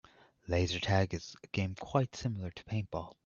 Laser tag is a game quite similar to paintball.